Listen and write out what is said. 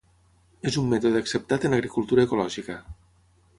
És un mètode acceptat en agricultura ecològica.